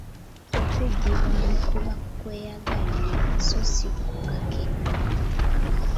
Okuddibwamu kuba kwa kyeyagalire so si kukake.